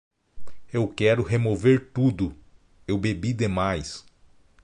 Eu quero remover tudo: eu bebi demais.